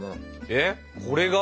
えっこれが？